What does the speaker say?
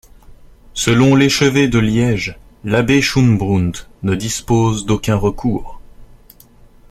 Selon l'évêché de Liège, l'abbé Schoonbroodt ne dispose d'aucun recours.